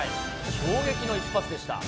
衝撃の一発でした。